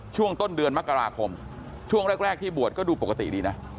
ช่วงต้นเดือนมกราคมช่วงแรกที่บวชก็ดูปกติดีนะ